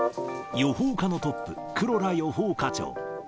予報課のトップ、黒良予報課長。